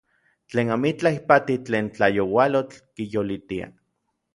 Tlen amitlaj ipati tlen tlayoualotl kiyolitia.